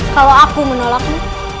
kalau aku menolakmu